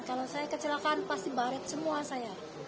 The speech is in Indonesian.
kalau saya kecelakaan pasti barit semua saya